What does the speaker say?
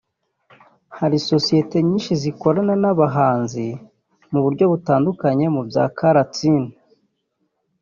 Hari isosiyeti nyinshi zikorana n’abahanzi mu buryo butandukanye mu bya caller tune